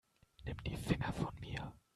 Nimm die Finger von mir.